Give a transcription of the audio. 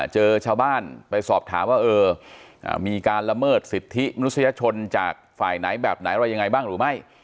เจอชาวบ้านไปสอบถามว่าเออมีการละเมิดสิทธิมนุษยชนจากฝ่ายไหนแบบไหนอะไรยังไงบ้างหรือไม่